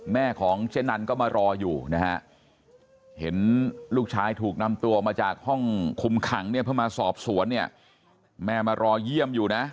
แม่ของเจ๊นันก็มารออยู่นะฮะเห็นลูกชายถูกนำตัวออกมาจากห้องคุมขังเนี่ยเพื่อมาสอบสวนเนี่ย